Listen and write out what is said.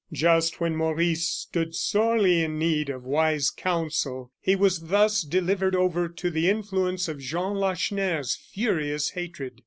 Just when Maurice stood sorely in need of wise counsel, he was thus delivered over to the influence of Jean Lacheneur's furious hatred.